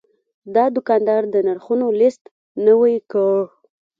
دا دوکاندار د نرخونو لیست نوي کړ.